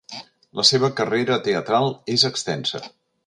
La seva carrera teatral és extensa.